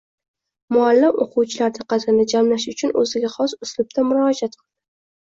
Muallim o‘quvchilar diqqatini jamlash uchun o‘ziga xos uslubda murojaat qildi: